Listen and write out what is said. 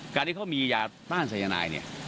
การที่เขามียาต้านสายนายเนี่ย